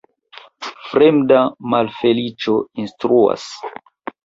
Fremda malfeliĉo instruas.